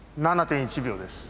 ７．１秒です。